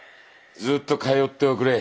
ずっと通っておくれ。